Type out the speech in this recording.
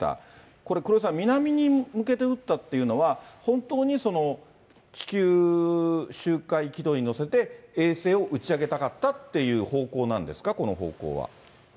これ、黒井さん、南に向けて打ったっていうのは、本当に地球周回軌道に乗せて、衛星を打ち上げたかったっていう方向なんですか、この方向は。